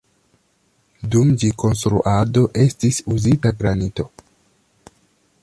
Dum ĝi konstruado estis uzita granito.